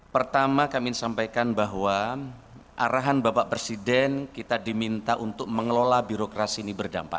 pertama kami sampaikan bahwa arahan bapak presiden kita diminta untuk mengelola birokrasi ini berdampak